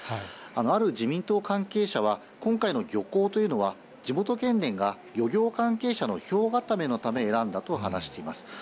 ある自民党関係者は、今回の漁港というのは、地元県連が漁業関係者の票固めのため選んだと話しています。